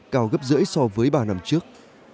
cao gấp rưỡi so với ba năm trước